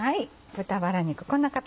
豚バラ肉こんな形でね